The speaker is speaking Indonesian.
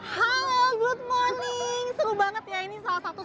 halo good morning seru banget ya ini salah satu